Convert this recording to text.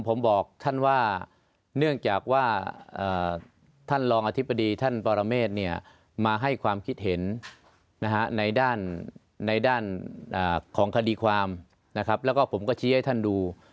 ผมบอกท่านว่าเนื่องจากว่าท่านรองอธิบดีท่านปรเมฆมาให้ความคิดเห็นในด้านในด้านของคดีความนะครับแล้วก็ผมก็ชี้ให้ท่านดู